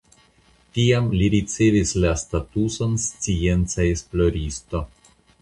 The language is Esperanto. Tiam li ricevis la statuson scienca esploristo.